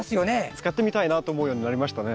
使ってみたいなと思うようになりましたね。